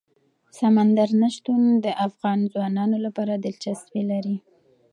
سمندر نه شتون د افغان ځوانانو لپاره دلچسپي لري.